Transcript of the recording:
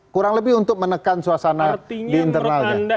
kurang lebih untuk menekan suasana di internalnya